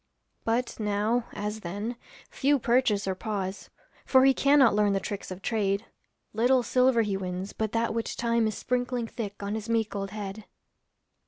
But now, as then, few purchase or pause, For he cannot learn the tricks of trade; Little silver he wins, but that which time Is sprinkling thick on his meek old head.